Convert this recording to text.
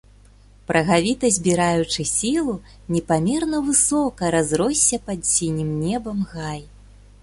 Прагавіта збіраючы сілу, непамерна высока разросся пад сінім небам гай.